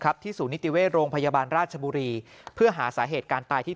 ที่ศูนย์นิติเวชโรงพยาบาลราชบุรีเพื่อหาสาเหตุการตายที่